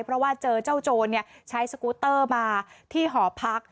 เพราะว่าเจอเจ้าโจรใช้สกูตเตอร์มาที่หอพัก